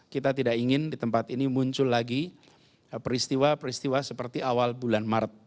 kita tidak ingin di tempat ini muncul lagi peristiwa peristiwa seperti awal bulan maret